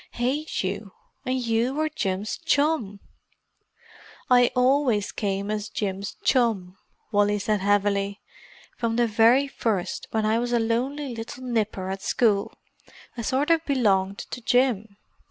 "Hate you!—and you were Jim's chum!" "I always came as Jim's chum," Wally said heavily. "From the very first, when I was a lonely little nipper at school, I sort of belonged to Jim.